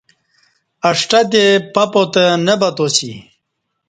اݜٹتے پہ پاتہ نہ باتاسی۔